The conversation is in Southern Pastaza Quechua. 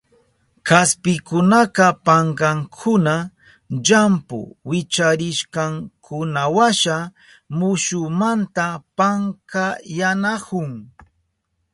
Kaspikunaka pankankuna llampu wicharishkankunawasha mushumanta pankayanahun.